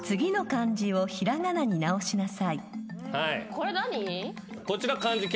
これ何？